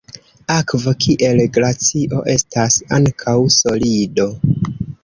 Akvo, kiel glacio, estas ankaŭ solido.